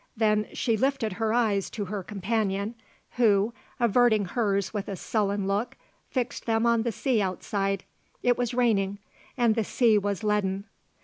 Then she lifted her eyes to her companion, who, averting hers with a sullen look, fixed them on the sea outside. It was raining and the sea was leaden.